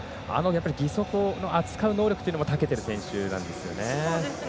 義足を扱う能力にもたけてる選手なんですよね。